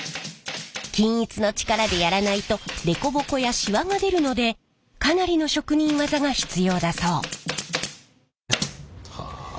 均一の力でやらないとデコボコやシワが出るのでかなりの職人技が必要だそう。